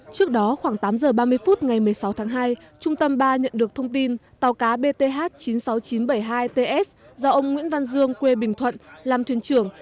trước đó khoảng tám giờ ba mươi phút ngày một mươi sáu tháng hai trung tâm ba nhận được thông tin tàu cá bth chín mươi sáu nghìn chín trăm bảy mươi hai ts do ông nguyễn văn dương quê bình thuận làm thuyền trưởng